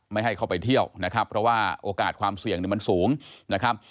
ไม่ให้เข้าไปเที่ยวนะครับเพราะว่าโอกาสความเสี่ยงเนี่ยมันสูงนะครับ